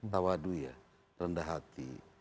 tawadu ya rendah hati